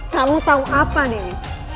kamu tau apa dewi